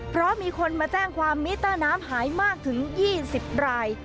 เพราะมีคนมาแจ้งความมิเตอร์น้ำหายมากถึง๒๐ราย